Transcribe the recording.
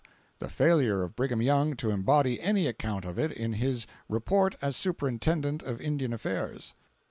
The failure of Brigham Young to embody any account of it in his Report as Superintendent of Indian Affairs.